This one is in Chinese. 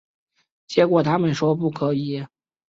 结果他们说不可以